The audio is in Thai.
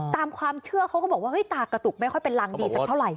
ตามความเชื่อเขาก็บอกว่าตากระตุกไม่ค่อยเป็นรังดีสักเท่าไหร